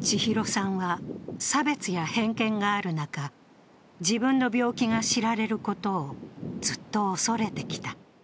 千尋さんは、差別や偏見がある中自分の病気が知られることをずっと恐れてきた。